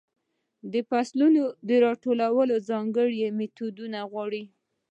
د فصلو راټولول ځانګړې میتودونه غواړي.